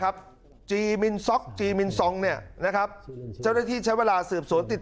ครับจีมินซองจีมินซองเนี่ยนะครับจะได้ที่ใช้เวลาสืบสวนติด